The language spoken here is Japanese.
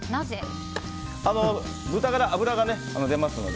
豚から油が出ますので。